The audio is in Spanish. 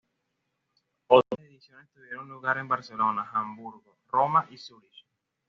Otras ediciones tuvieron lugar en Barcelona, Hamburgo, Roma y Zúrich.